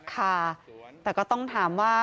ค่ะแต่ก็ต้องถามว่า